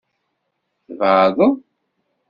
Tbeɛdeḍ.